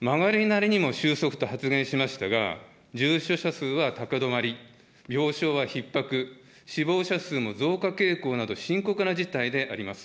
曲がりなりにも収束と発言しましたが、重症者数は高止まり、病床はひっ迫、死亡者数も増加傾向など、深刻な事態であります。